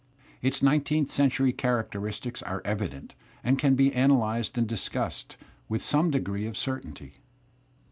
Its nineteenth century characteristics are evident and can be analyzed and discussed with some degree of certainty.